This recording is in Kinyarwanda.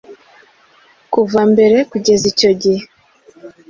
Kuva mbere kugeza icyo gihe